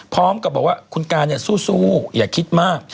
พร้อมกับบอกว่าคุณการเนี่ยสู้อย่าคิดมาก